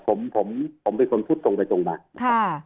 ผมเป็นคนพูดตรงไปตรงมา